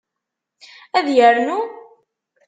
Ad yernu?